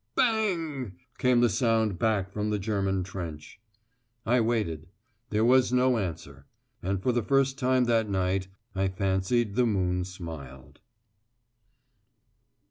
"Bang!" came the sound back from the German trench. I waited. There was no answer. And for the first time that night I fancied the moon smiled.